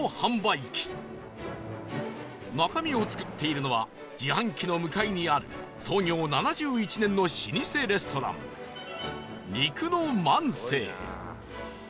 中身を作っているのは自販機の向かいにある創業７１年の老舗レストラン肉の万世